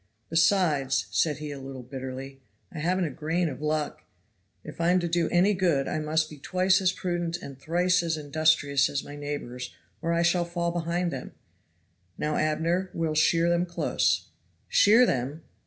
Besides," said he a little bitterly, "I haven't a grain of luck. If I am to do any good I must be twice as prudent and thrice as industrious as my neighbors or I shall fall behind them. Now, Abner, we'll shear them close." "Shear them!